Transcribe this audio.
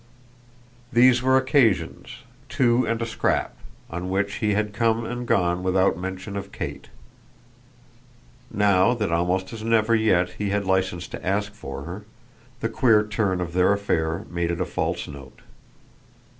These were occasions two and a scrap on which he had come and gone without mention of Kate. Now that almost as never yet he had licence to ask for her, the queer turn of their affair made it a false note.